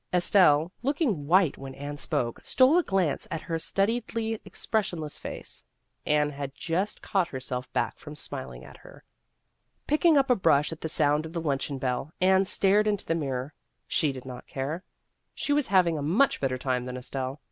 Estelle, looking white when Anne spoke, stole a glance at her studiedly expressionless face ; Anne had just caught herself back from smiling at her. Picking up a brush at the sound of the luncheon bell, Anne stared into the mirror. She did not care. She was having a much better time than Estelle.